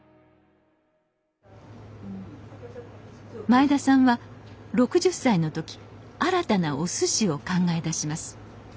前田さんは６０歳の時新たなおすしを考え出します。